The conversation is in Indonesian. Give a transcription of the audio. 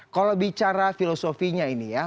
kalau bicara filosofinya ini ya